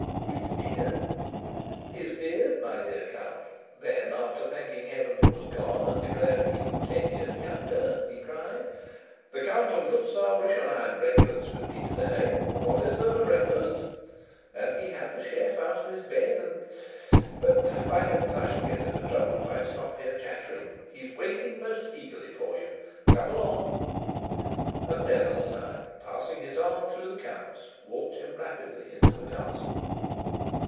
"His beard!" "His beard, my dear Count." Then, after thanking Heaven it was gone, and declaring he looked ten years younger, he cried, "The Count of Luzau Rischenheim breakfasts with me to day: what is there for breakfast?" And he had the chef out of his bed and "But, by heavens, I shall get into trouble if I stop here chattering. He's waiting most eagerly for you. Come along." And Bernenstein, passing his arm through the count's, walked him rapidly into the castle.